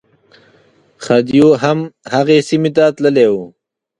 خدیو هم هغې سیمې ته تللی و.